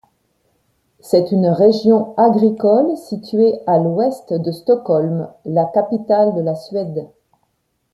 C'est une région agricole située à l'ouest de Stockholm, la capitale de la Suède.